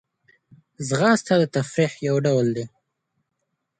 ځغاسته د تفریح یو ډول دی